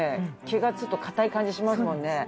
毛がちょっと硬い感じしますもんね。